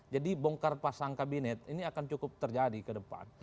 jadi bongkar pasang kabinet ini akan cukup terjadi ke depan